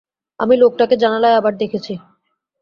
আমি লোকটাকে জানালায় আবার দেখেছি।